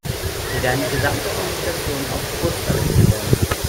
Wir werden die gesamte Kommunikation auf Kurzwelle umstellen.